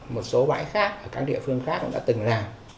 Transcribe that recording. một số bãi khác ở các địa phương khác cũng đã từng làm